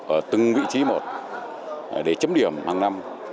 ở từng vị trí một để chấm điểm hàng năm